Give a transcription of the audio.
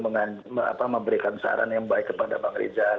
memberikan saran yang baik kepada bang rizal